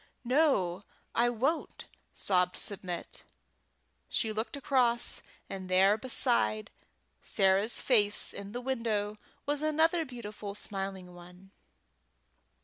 "No, I won't," sobbed Submit. She looked across, and there beside Sarah's face in the window was another beautiful smiling one.